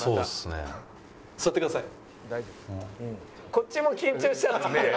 こっちも緊張しちゃってるよ。